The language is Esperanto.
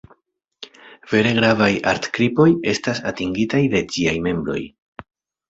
Vere gravaj art-kripoj estas atingitaj de ĝiaj membroj.